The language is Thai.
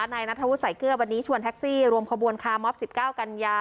นายนัทธวุสายเกลือวันนี้ชวนแท็กซี่รวมขบวนคาร์มอบ๑๙กันยา